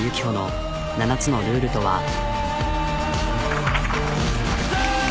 歩の７つのルールとは。